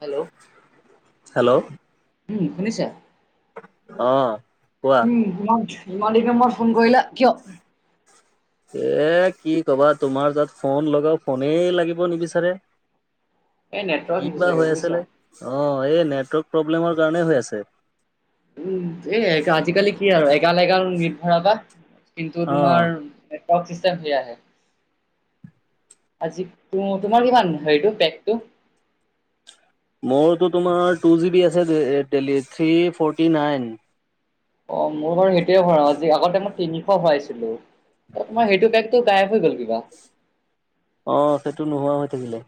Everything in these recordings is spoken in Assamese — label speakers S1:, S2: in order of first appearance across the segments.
S1: হেল্ল'
S2: হেল্ল'
S1: উম শুনিছা?
S2: অ কোৱা
S1: উম, ইমান ইমান দিন মোৰত ফোন কৰিলা কিয়?
S2: এ কি ক'বা তোমাৰ তাত ফোন লগাওঁ ফোনেই লাগিব নিবিচাৰে।
S1: এই নেটৱৰ্ক
S2: কি
S1: ইছ্যু
S2: বা
S1: চাগে
S2: হৈ
S1: বুজিছা।
S2: আছিলে! অ' এই নেটৱৰ্ক প্ৰব্লেমৰ কাৰণেই হৈ আছে।
S1: উম, এ আজিকালি কি আৰু এগাল এগাল নেট ভৰাবা কিন্তু
S2: অ
S1: তোমাৰ [unintelligible] চিষ্টেম [unintelligible] আজি তো-তোমাৰ কিমান হেৰিটো পেকটো?
S2: মোৰতো তোমাৰ টু জি বি আছে যে এ টেলিত থ্ৰী ফৰ্টি নাইন।
S1: অ', মইয়ো বাৰু সেইটোৱে ভৰাও আজি আগতে মই তিনিশ ভৰাইছিলো। তাত তোমাৰ সেইটো পেকটো গায়ব হৈ গ'ল কিবা।
S2: অ', সেইটো নোহোৱা হৈ থাকিলে।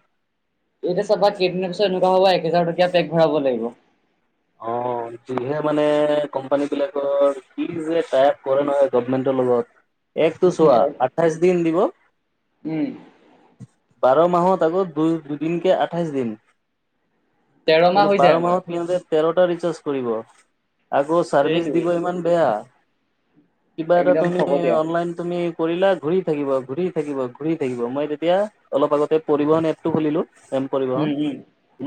S1: এতিয়া চাবা কেইদিনৰ পিছত এনেকুৱ হ'ব এক হাজাৰ টকীয়া পেক ভৰাব লাগিব।
S2: অ
S1: [inaudible]
S2: যিহে মানে কোম্পানীবিলাকৰ কি যে টাইপ কৰে নহয় গ্ৰভমেন্টৰ লগত। একটো চোৱা আঠাইশ দিন দিব
S1: উম
S2: বাৰ মাহত আকৌ দুই-দুদিনকে আঠাইশ দিন।
S1: তেৰ মাহ
S2: [unintelligible]
S1: হৈ যায় আমাৰ
S2: বাৰমাহত সিহঁতে তেৰটা ৰিচাৰ্জ কৰিব। আকৌ চাৰ্ভিচ
S1: সেইটোৱে
S2: দিব ইমান বেয়া। কিবা এটা
S1: একদম
S2: তুমি,
S1: ফকতীয়া।
S2: অনলাইন তুমি কৰিলা ঘুৰি থাকিব, ঘূৰি থাকিব, ঘূৰি থাকিব। মই তেতিয়া অলপ আগতে পৰিবহন এপটো খুলিলোঁ। এম
S1: উম
S2: পৰিবহণ।
S1: উম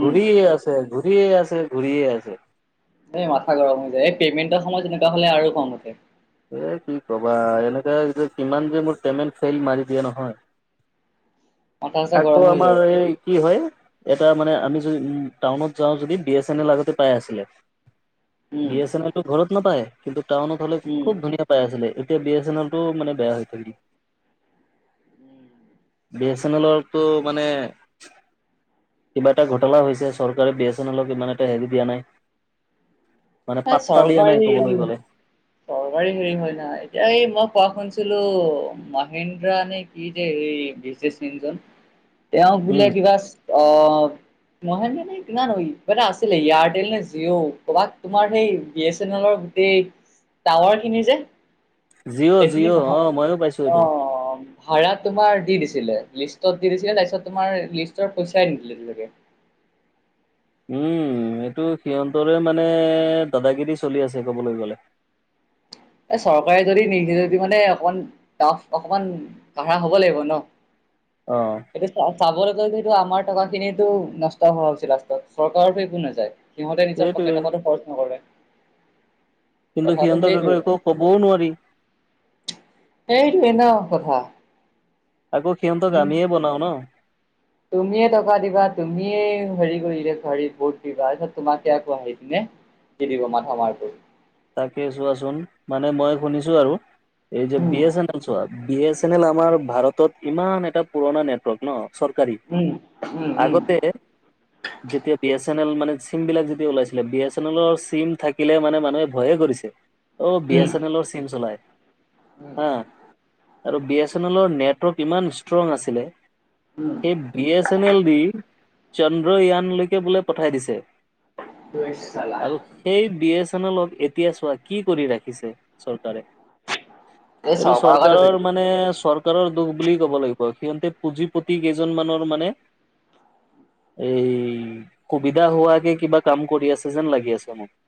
S1: উম।
S2: ঘূৰিয়ে আছে, ঘূৰিয়ে আছে, ঘূৰিয়ে আছে।
S1: এই মাথা গৰম হৈ যায়। এই পে'মেণ্টৰ সময় তেনেকুৱা হ'লে আৰু খং উঠে।
S2: এ কি কবা এনেকে যে কিমান যে মোৰ পেমেণ্ট ফেইল মাৰি দিয়ে নহয়।
S1: মাথা চাথা গৰম
S2: আকৌ
S1: হৈ যায়
S2: আমাৰ এই কি হয়। এটা মানে আমি য, উ টাউনত যাওঁ যদি বি এ চেনেল আগতে পাই আছিলে।
S1: উম
S2: বি এ চেনেলটো ঘৰত নাপায় কিন্তু টাউনত হ'লে
S1: উম
S2: [unintelligible] পাই আছিলে এতিয়া বি এ চেনেলটো মানে বেয়া হৈ থাকি বি এ চেনেলৰটো মানে কিবা এটা ঘটলা হৈছে, চৰকাৰে বি এ চেনেলক ইমান এটা হেৰি দিয়া নাই। মানে
S1: এ
S2: পাত্তা দিয়া নাই
S1: চৰকাৰী
S2: ক'বলৈ গ'লে।
S1: চৰকাৰী হেৰি হয় না, এতিয়া এই মই কোৱা শুনছিলো মাহেন্দ্ৰা নে ই যে এই বিজেচ মিনজন, তেওঁক বোলে
S2: উম
S1: কিবা অ' নহয় মানে কিমান, ইবাটা আছিলে ইয়াৰটেল নে জিঅ' ক'বাত তোমাৰ হেই বি এ চেনেলৰ গোটেই টাৱাৰখিনি যে।
S2: জিঅ'
S1: এখিনি [unintelligible]
S2: জিঅ'
S1: অ'।
S2: মইয়ো পাইছো এইটো
S1: ভাড়া তোমাৰ দি দিছিলে। লিষ্টত দি দিছিলে তাইছত তোমাৰ লিষ্টৰ পইচাই নিদিলে [unintelligible]
S2: উম এইটো সিহঁতৰে মানে দাদাগিৰি চলি আছে ক'বলৈ গ'লে।
S1: এ চৰকাৰে যদি নিৰদিলে তিহতে অকমান তাফ অকমান কাঢ়া হ'ব লাগিব ন।
S2: অ'।
S1: এইটো চাবলৈ গ'লে এইটো আমাৰ টকা খিনিতো নষ্ট হোৱা হৈছে লাষ্টত চৰকাৰৰটো একো নাযায়। সিহঁতে নিজৰ
S2: সেইটোৱে
S1: পকেট পৰাটো খৰচ নকৰে।
S2: কিন্তু
S1: কথাটো
S2: সিহঁতক আকৌ
S1: সেইটোৱে।
S2: একো ক'বও নোৱাৰি।
S1: সেইটোৱেই ন কথা।
S2: আকৌ সিহঁতক
S1: তুমি
S2: আমিয়েই বনাও ন।
S1: তুমিয়ে টকা দিবা তুমিয়ে হেৰি কৰিলে, ধৰ ৰিপৰ্ট দিবা, তাৰ পাছত তোমাকে আকৌ আহি কিনে দি দিব মাধ মাৰটো।
S2: তাকে চোৱাচোন মানে মই শুনিছো আৰু এই যে
S1: উম,
S2: বি এছ এন এল চোৱা বি এছ এন এল আমাৰ ভাৰতত ইমান এটা পুৰণা নেটৱৰ্ক ন - চৰকাৰী
S1: উম, উম, উম,
S2: আগতে - যেতিয়া বি এছ এন এল মানে চিম বিলাক যেতিয়া ওলাইছিলে বি এছ এন এলৰ চিম থাকিলে মানে মানুহে - ভয়ে কৰিছে অ বি
S1: উম।
S2: এছ এন এলৰ চিম চলাই হা- আৰু বি এছ এন এলৰ নেটৱৰ্ক ইমান ষ্ট্ৰং আছিলে
S1: উম।
S2: সেই বি এছ এন এল দি চন্দ্ৰয়ানলৈকে বোলে পঠাই দিছে।
S1: ঐ চাল।
S2: আৰু সেই বি এছ এন এল ক। এতিয়া চোৱা কি কৰি ৰাখিছে চৰকাৰে!
S1: এই
S2: এইটো
S1: গাত
S2: চৰকাৰৰ মা- নে চৰকাৰৰ দুখ বুলি ক'ব লাগিব সিহঁতে পুঁজি পতি কেইজন মানৰ মানে এই সুবিধা হোৱাকে কিবা কাম কৰি আছে যেন লাগি আছে মোক।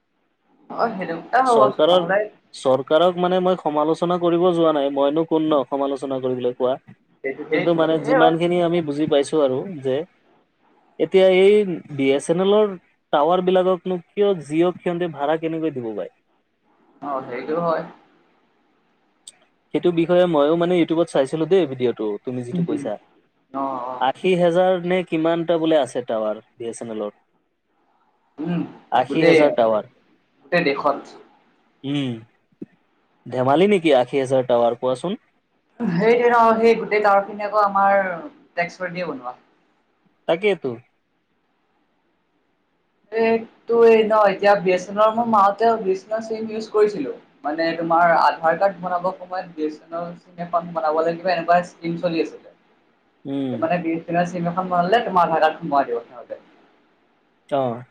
S1: হয় সেইটো। দুটা হ'ব
S2: চৰকাৰৰ
S1: নহ'লে
S2: চৰকাৰক মানে মই সমালোচনা কৰিব যোৱা নাই মইনো কোন ন সমালোচনা কৰিবলৈ কোৱা?
S1: সেইটো সেই
S2: কিন্তু মানে
S1: হয়
S2: যিমানখিনি আমি বুজি পাইছো আৰু যে এতিয়া এই বি এছ এন এলৰ টাৱাৰ বিলাকক কিয় জিও'ক কিহতে ভাড়া কেনেকৈ দিব পাৰে।
S1: অ', সেইটো হয়।
S2: সেইটো কিকৈ মইও মানে ইউটিউবত চাইছিলো দেই ভিডিঅ'টো তুমি যিটো কৈছা।
S1: অ অ
S2: খে হেজাৰ নে কিমান টা বোলে আছে টাৱাৰ বি এছ এন এলৰ।
S1: উম
S2: আশী
S1: গোটেই
S2: হেজাৰ টাৱাৰ।
S1: গোটেই ৰেখন।
S2: উম ধেমালি নেকি আশী হাজাৰ টাৱাৰ কোৱাচোন।
S1: সেইটো ন সেই গোটেই টাৱাৰখিনি আকৌ আমাৰ টেক্স পাৰ্টি বনোৱা।
S2: তাকে টো।
S1: অহ টোৱে ন এতিয়া বি এছ এৰ মোৰ মাতে ভ এচন চিম ইউজ কৰিছিলো। মানে তোমাৰ আধাৰ কাৰ্ড বনাব কবোপৰে বি এছ এনল বনাব কিবা এনেকুৱা স্কিল চলি আছিলে।
S2: উম
S1: মানে বি এছ এনল চিম এখন বনাবলৈ তোমাৰ আধাৰ কাৰ্ড খন বনাই দিব সিহঁতে।
S2: অ'।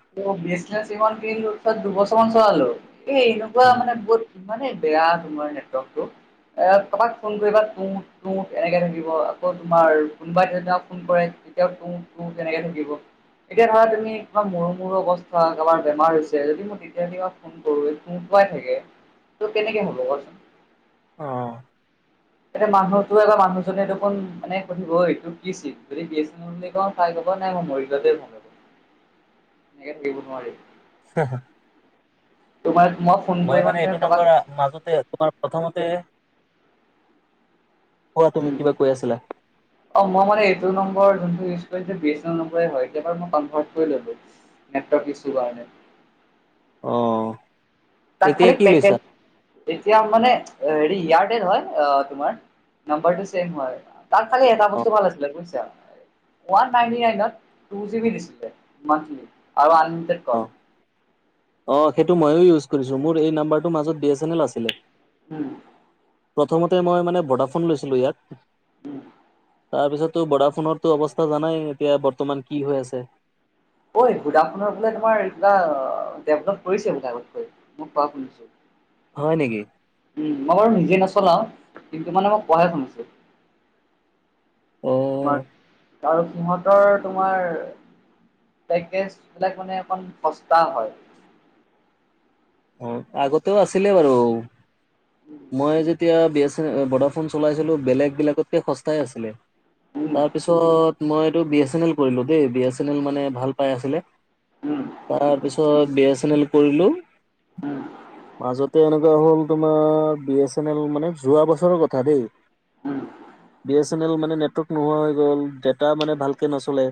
S1: বি এছ এনল চিম এখন কিনিলো ত দু বছৰ মান চলালো এই এনেকুৱা মানে বহুত ইমানে বেয়া তোমাৰ নেটৱৰ্কটো। এ তোমাক ফোন কৰিবা তুত তুত এনেকে থাকিব আকৌ তোমাৰ কোনবাই ধৰি লোৱা ফোন কৰে তুত তুত তেনেকে থাকিব এতিয়া ধৰা তুম কিবা মোৰ অৱস্থা কেলা বেমাৰ হৈছে যদি মই তেতিয়া দিনত ফোন কৰো শুকুৱাই থাকে। ত' কেনেকে হ'ব কচোন।
S2: অ'।
S1: এতিয়া মানুহতো বা মানুহজনে দেখোন এনেকে কৈ থাকিব অই তোৰ কি সেত যতি একেখা ফাইট হু'ব নাই মৰি গ'লে ভাল হ'ব। এনেকে থাকিব নোৱাৰি।
S2: হ [unintelligible]
S1: তোমাৰ মই
S2: মই
S1: কৰি
S2: মানে এইটো
S1: কাৰোবাক
S2: নম্বৰ মাজতে তোমাৰ প্ৰথমতে, কোৱা তুমি
S1: উম,
S2: কিবা কৈ আছিলা।
S1: [inaudible] অ', মই মানে এইটো নম্বৰ যোনটো ইউজ কৰিছে বি এছ এনল নম্বৰ য়েহৈ কেবাৰ মই কনফাৰ্ম কৰি ললো। [unintelligible]
S2: অ'।
S1: তাত
S2: এতিয়া
S1: খালি
S2: কি
S1: পেপে
S2: লৈছা?
S1: এতিয়া মানে হেৰি এয়াৰটেল হয় তোমাৰ নাম্বাৰটো ছেম হৈ। তাক খালি এটা
S2: অ
S1: বস্তু ভাল আছিলে বুজিছা। ৱান নাইটি নাইনত টু জিবি দিছিলে মন্তলী আৰু আনলিমিটেড
S2: অ
S1: কল।
S2: অ', সেইটো মইয়ো ইউজ কৰিছো মোৰ এই নাম্বাৰটোৰ মাজত বি এছ এন এল আছিলে।
S1: উম।
S2: প্ৰথমতে মই মানে ভোডাফোন লৈছিলোঁ ইয়াত।
S1: [inaudible]
S2: তাৰপিছতো ভোডাফোনৰতো অৱস্থা জানাই, এতিয়া বৰ্তমান কি হৈ আছে।
S1: অই ভোডাফোনৰ বোলে তোমাৰ অ', ডেভলপ কৰিছে বোলে আগতকৈ মই কোৱা শুনিছো।
S2: হয় নেকি।
S1: উম মই বাৰু নিজে নচলাও কিন্তু মানে মই কুৱাহে শুনাইো।
S2: অ
S1: তোমাৰ আৰু সিহঁতৰ তোমাৰ পেকেজ বিলাক মানে অকণ খৰচটা হয়।
S2: অ', আগতেও আছিলে বাৰু,
S1: উম,
S2: মই যেতিয়া বি ভোডাফোন চলাইছিলোঁ বেলেগ বিলাগতকৈ খৰচাই আছিলে
S1: উম,
S2: তাৰপিছত মই এইটো বি এছ এন এল কৰিলো দে বি এছ এন এল মানে ভাল পাই আছিলে।
S1: উম,
S2: তাৰ পিছত বি এছ এন এল কৰিলো।
S1: উম।
S2: মাজতে এনেকুৱা হ'ল তোমাৰ বি এছ এন এল মানে যোৱা বছৰৰ কথা দেই।
S1: উম,
S2: বি এছ এন এল মানে নেটৱৰ্ক নোহোৱা হৈ গ'ল ড এটা মানে ভালকে নচলে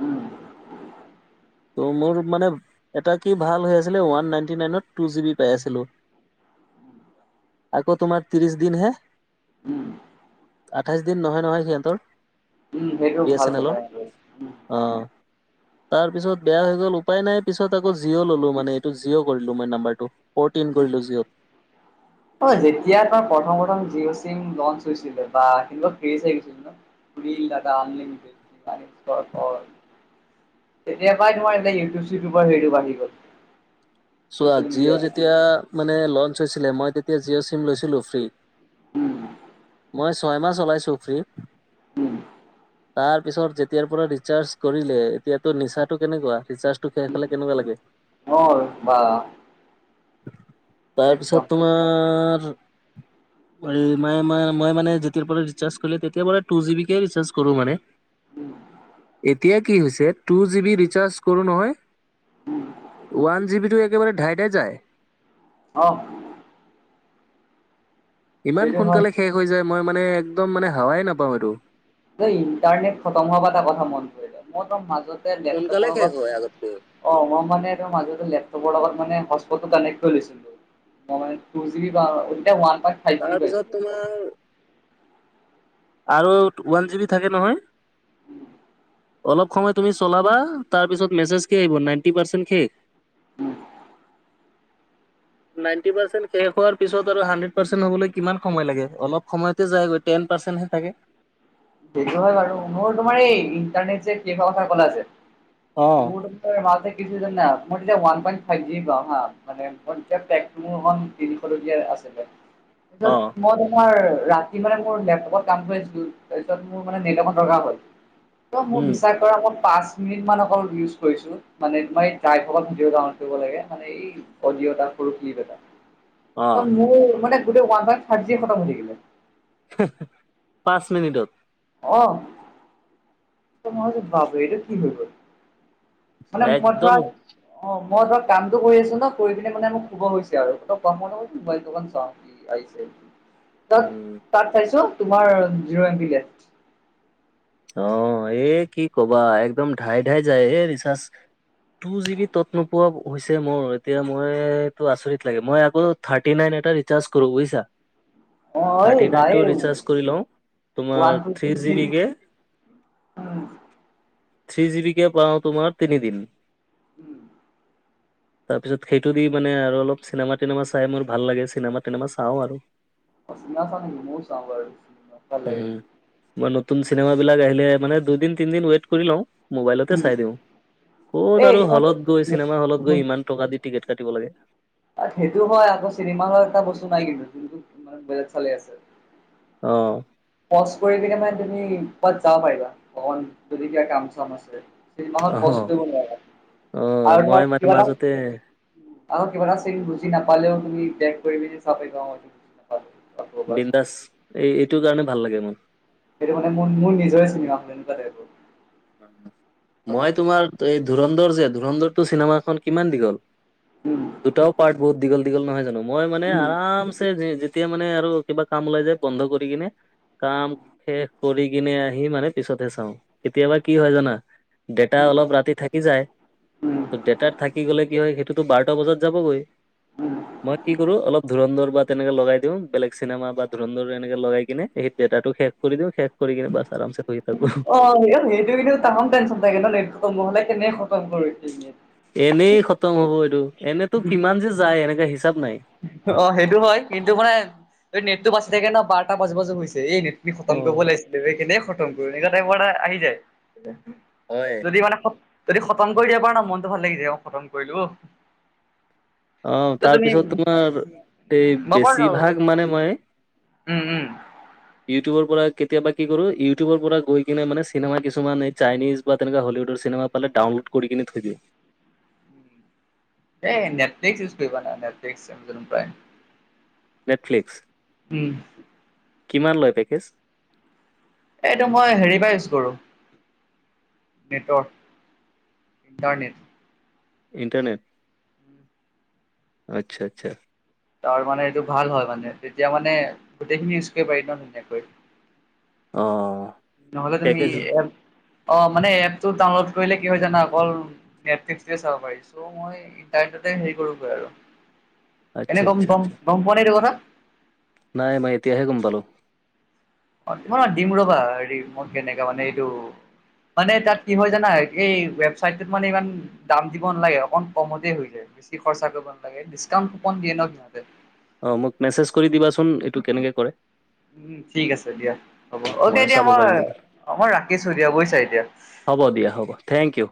S1: উম,
S2: ত মোৰ মানে এটা কি ভাল হৈ আছিলে ওৱান নাইণ্টি নাইনত টু জি বি পাই আছিলোঁ আকৌ তোমাৰ ত্ৰিশ দিন হে
S1: উম।
S2: আঠাইছ দিন নহয়, নহয় সিহঁতৰ
S1: সেইটো
S2: বি এছ
S1: ভাল
S2: এন
S1: কথা
S2: এলৰ
S1: সেইটো।
S2: অ'। তাৰ পিছত বেয়া হৈ গ'ল উপায় নাই পিছত আকৌ জিঅ' ললো মানে এইটো জিঅ' কৰিলোঁ মই নাম্বাৰটো। ফ'টিন কৰিলো জিঅ'।
S1: [unintelligible] অ', যেতিয়া তাৰ প্ৰথম, প্ৰথম জিঅ' চিম লঞ্চ হৈছিলে বা সেই ক্ৰেজ আহিছিল ন। ৰিল ডাদটা আনলিমিটেড। তেতিয়া পৰাই তোাৰ এতি ইউিউব চিউবৰ হেৰি বাঢ়ি গ'ল।
S2: চোৱা
S1: চচিয়েল
S2: জিঅ'
S1: মিডিয়া
S2: যেতিয়া মানে লঞ্চ হৈছিলে মই তেতিয়া জিঅ' চিম লৈছিলো ফ্ৰী।
S1: উম।
S2: মই ছয় মাহ ওলাইছো ফ্ৰী তাত
S1: উম,
S2: তাৰ পিছত যেতিয়াৰ পৰা ৰিচাৰ্জ কৰিলে এতিয়াতো নিচাটো কেনেকুৱা ৰিচাৰ্জটো সে খালে কেনেকুৱা লাগে।
S1: ম বা [unintelligible] একদম
S2: তাৰপিছত তোমাৰ মই মতি যেতিয়াৰ পৰা ৰিচাৰ্ছ কৰো মানে টো জিবি কে ৰিচাৰ্ছ কৰো।
S1: উম,
S2: এতিয়া কি হৈছে টু জি বি ৰিচাৰ্জ কৰোঁ নহয়। ওৱান জি বি টো একেবাৰে ঢাইডাই যায়।
S1: অ'।
S2: ইমান
S1: সেইটো হয়।
S2: সোনকালে শেষ হৈ যায় মই মানে একদম মানে হাৱাই নাপাওঁ এইটো।
S1: ইণ্টাৰনেট খতম হব এটা কথা মন কৰিলে মইতো মাজতে
S2: সোনকালে
S1: লেপটপৰ
S2: শেষ হয়
S1: লগত
S2: আগতকৈ
S1: অ', মই মানে ত মাজতে লেপটপৰ লগত মানে হ কানেক্ট কৰি লৈছিলোঁ টু জি বাই
S2: তাৰপিছত তোমাৰ আৰু ওৱান জি বি থাকে নহয়। অলপ সময় তুমি চলাবা তাৰপিছত মেছেজকে আহিব নাইনটি পাৰ্চেণ্ট শেষ নাইনটি পাৰ্চেন্ট শেষ হোৱাৰ পিছত আৰু হাড্ৰেড পাৰ্চেন্ট হবলৈ কিমান সময় লাগে অলপ সময়ত। যায়গৈটেন পাৰ্চেটহে থাকে।
S1: সেইটো হয় বাৰু মোৰ তোমাৰ এই ইণ্টাৰনেট যে কি কথা ক'লা যে
S2: অ',
S1: মোৰ মই মাজতে কি হৈছে যানা মই এনে ওৱান পইণ্ট ফাইভ জি পাওঁ হা মোৰ খন তিনিশ টকীয়া আছে। তাৰপিছত
S2: অ',
S1: মই তোমাৰ ৰাতি মানে মোৰ লেপটপত কাম কৰি আছিলোঁ। তাৰ পিছত মোৰ মানে নেটৱৰ্কৰ দৰকাৰ হ'ল ত মোৰ
S2: উম,
S1: বিশ্বাস নেটৱৰ্কৰ নামত পাঁচ মিনিটমান অকল ইউজ কৰিছোঁ। মানে তোমাৰ যাই থত ভিডিঅ' এটাউ কৰিব লাগে মানে এই অডিঅ' এটা সৰু ক্লিপ এটা
S2: অ',
S1: মোৰ মানে গোটৈই ওৱান পইণ্ট ফাইভ জিবি এ খতম হৈ থাকিলে।
S2: পাঁচ মিনিটত।
S1: অ মই ভাবিছোঁ এটো কি হৈ গ'ল। মানে মই
S2: একদম
S1: ধৰা অ', মই ধৰা কামটো কৰি আছো ন কৰি পিনে মানে মোক শুৱ হৈছে আৰু অ', আৰু মই বুলো মোবাইল টো অকণ চাওঁ। তাত
S2: উম,
S1: তাত চাইছোঁ তোমাৰ জিৰ' ম বি লেফ্ট।
S2: অ', এ কি কবা একদম ঢাই ঢাই যায় হ ৰিচাৰ্জ। টু জি বি ত'ত নোপোৱা হৈছে মোৰ, এতিয়া মইটো আচৰিত লাগে মই আগ থাৰ্টি নাইন এটা ৰিচাৰ্জ কৰো বুজিছা।
S1: অ', এ
S2: থাৰ্টি
S1: ভাই
S2: নাইনটো ৰিচাৰ্জ কৰি লওঁ তোমাৰ
S1: ওৱান
S2: থ্ৰী জি বি
S1: [unintelligible]
S2: কে
S1: উম।
S2: থ্ৰি জিবি কে পাওঁ, তোমাৰ তিনিদিন
S1: উম।
S2: তাৰপিছত সেইটো দি মানে আৰু অলপ চিনেমা িনেমা চাই মোৰ, ভাল লাগে চিনেমা িনেমা চাওঁ আৰু।
S1: চিনেমা চাও নেকি, মইও চাও বাৰু, ভাল
S2: উম,
S1: লাগে।
S2: মই নতুন চিনেমা বিলাক আহিলে, মানে দুদিন তিনদিন ৱেইট কৰি লওঁ। মোবাইলতে
S1: উম,
S2: চাই দিওঁ, ক'ত
S1: এই
S2: আৰু হলত গৈ চিনেমা হলত
S1: তোমাৰ
S2: গৈ ইমান টকা দি টিকেট কাটিব লাগে।
S1: তাত সেইটো হয় আকৌ চিনেমা এটা বস্তু নাই কিন্তু যোনটো ইমান বেলেগ চলি আছে।
S2: অ'।
S1: পজ কৰি পিনে মানে তুমি কবাত যাব পাৰিবা, অকণ যদি কিবা কাম চাম আছে। সেই মাহত পজ
S2: অ',
S1: কৰিব নোৱাৰা,
S2: অ',
S1: আৰু
S2: মই
S1: ধৰ
S2: মানে
S1: কিবা এটা
S2: মাজতে
S1: আৰু কিবা এটা চাগে বুজি নাপালেও তুমি বেগ কৰি মেলি চাব পাৰিবা, অ' নাপালো আকৌ এবাৰ চাম।
S2: বিন্দাছ, এই
S1: উম,
S2: এইটোৰ কাৰণে ভাল লাগে মোৰ।
S1: সেইটো মানে মোৰ, মোৰ নিজৰে চিনেমা হয় এনেকোৱা টাইপ।
S2: মই তোমাৰ, এই ধুৰনধৰ যে ধুৰনধৰটো চিনেমাখন কিমান দিঘল
S1: উম,
S2: দুটাও পাৰ্ট বহুত দীঘল, দীঘল নহয় জানো, মই মানে
S1: উম,
S2: আৰামছে এতিয়া মানে আৰু কিবা কাম ওলাই যায়, বন্ধ কৰি কিনে, কাম
S1: উম,
S2: শেষ কৰি কিনে আহি মানে পিছতহে চাওঁ, কেতিয়াবা কি হয় জানা ডেটা
S1: উম,
S2: অলপ ৰাতি থাকি যায়,
S1: উম,
S2: ত ডেতাত থাকি গ'লে কি হ'য় সেইটোতো বাৰটা বজাত যাবগৈ।
S1: উম।
S2: মই কি কৰো অলপ ধুৰণধৰ বা তেনেকে লগাই দিওঁ, বেলেগ চিনেমা বা ধুৰণদৰ এনেকে লগাই কিনে, সেই ডেতাটো শেষ কৰি দিওঁ, খেক কৰি কিনে বছ আৰাম চে শুই থাকো।
S1: অ' সেইটো কিন্তু তামাম টেনশ্যন থাকে ন, নেট খতম নহলে কেনেকে খতম কৰি দিম।
S2: এনেই খতম হব, এইটো এনেতো কিমান যে যায় এনেকে হিচাপ নাই।
S1: অ' সেইটো হয়, কিন্তু মানে, এই নেটটো বাচি থাকে ন বাৰটা বাজো বাজো হৈছে, এই নেট তি খতম
S2: অ।
S1: কৰিব লাগিছিলে, কেনেকে খতম কৰিব, সেনেকুৱা টাইপৰ এটা আহি যায়।
S2: হয়।
S1: যদি মানে, যদি খতম কৰি দিয়া পাৰো ন, মনতটো ভাল লাগি যায়, মই খতম কৰিলো অ'।
S2: অ' তাৰপিছত তোমাৰ এই,
S1: মই বাৰু
S2: বেছিভাগ মানে মই
S1: উম, উম।
S2: ইউটিউবৰ পৰা কেতিয়াবা কি কৰো, ইউটিউবৰ পৰা গৈ কিনে, মানে চিনেমা কিছুমান এই চাইনিজ বা তেনেকে হললউডৰ চিনেমা পালে ডাউনলোড কৰি কিনে থৈ দিওঁ।
S1: এ, নেটফ্লিক্স ইউজ না নেটফ্লিক্স আমাজন প্ৰাইম।
S2: নেটফ্লিক্স?
S1: উম।
S2: কিমান লয় পেকেজ?
S1: এইটো মই হেৰি বা ইউজ কৰো। Network, internet.
S2: ইণ্টাৰনেট? আচ্ছা, আচ্ছা।
S1: তাৰমানে এইটো ভাল হয় মানে, তেতিয়া মানে গোটেইখিনি ইউজ কৰিব পাৰিবা, ধুনীয়াকৈ।
S2: অ'।
S1: নহ'লে তুমি
S2: পেকেজ
S1: এ অ' মানে এপ টো ডাউনলোড কৰিলে কি হয় জানা, অকল নেটফ্লিক্টটোৱে চাব পাৰি। ত মই ইণ্টাৰনেট হে কৰো আৰু, এনে
S2: আচ্ছা
S1: গম,
S2: আচ্ছা
S1: গম,
S2: আচ্ছা
S1: গম পোৱা নে এইটো কথা।
S2: নাই মই এতিয়াহে গম পালো।
S1: অ' দিম ৰবা, হেৰি মই কেনেকে মানে এইটো মানে তাত কি হয় জানা, এই ৱেবচাইটত মানে ইমান দাম দিব নালাগে, অকম কমতে হয় যায়, বেছি ৰ্খছা কৰিব নালাগে, দিচকাউন কপন দিয়ে ন সিহতে
S2: অ' মোক মেচেজ কৰি দিবা চোন, এইটো কেনেকে কৰে।
S1: উম ঠিক আছে দিয়া, হ'ব অ' দিয় এতিয়া
S2: চাব
S1: মই,
S2: পাৰিম তেতিয়া
S1: মই ৰাখিছো দিয়া বুজিছা এতিয়া।
S2: হ'ব দিয়া, হ'ব। Thank U!